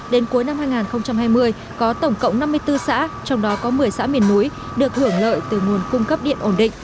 đến cuối năm hai nghìn hai mươi có tổng cộng năm mươi bốn xã trong đó có một mươi xã miền núi được hưởng lợi từ nguồn cung cấp điện ổn định